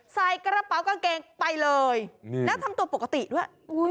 ใส่กระเป๋ากางเกงไปเลยแล้วทำตัวปกติด้วย